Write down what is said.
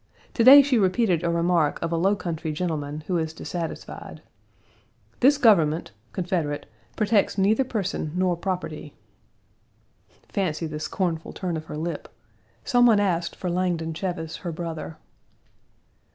To day she repeated a remark of a low country gentleman, who is dissatisfied: "This Government (Confederate) protects neither person nor property." Fancy the scornful turn of her lip! Some one asked for Langdon Cheves, her brother.